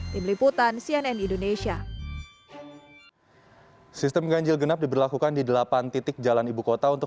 tim liputan cnn indonesia sistem ganjil genap diberlakukan di delapan titik jalan ibu kota untuk